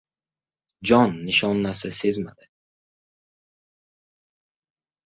Jon nishonasi sezmadi.